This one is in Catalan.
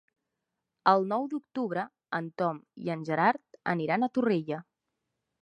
El nou d'octubre en Tom i en Gerard aniran a Torrella.